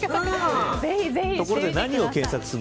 ところで何を検索するの。